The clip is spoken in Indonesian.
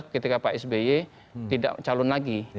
dua ribu empat belas ketika pak sby tidak calon lagi